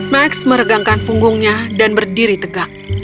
max meregangkan punggungnya dan berdiri tegak